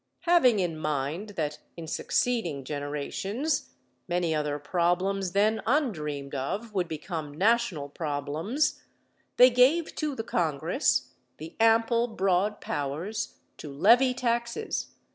Having in mind that in succeeding generations many other problems then undreamed of would become national problems, they gave to the Congress the ample broad powers "to levy taxes.